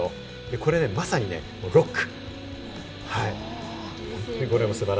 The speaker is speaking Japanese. これね、まさにね、ロック。